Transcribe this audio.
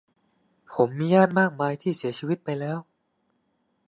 ผมมีญาติมากมาย ที่เสียชีวิตไปแล้ว